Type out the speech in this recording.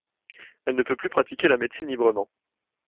Elle ne peut plus pratiquer la médecine librement.